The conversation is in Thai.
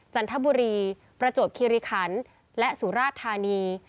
จันทบุรีประจวบคิริคันและสุราชธานี